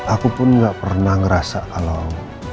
aku pun gak pernah ngerasa kalau